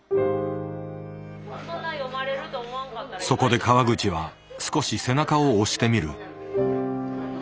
そこで川口は少し背中を押してみる。